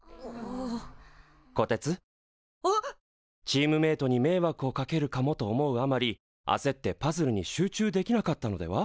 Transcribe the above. チームメートにめいわくをかけるかもと思うあまりあせってパズルに集中できなかったのでは？